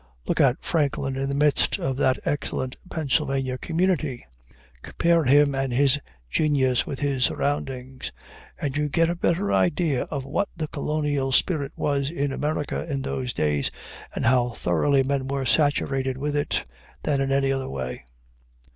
Look at Franklin in the midst of that excellent Pennsylvania community; compare him and his genius with his surroundings, and you get a better idea of what the colonial spirit was in America in those days, and how thoroughly men were saturated with it, than in any other way.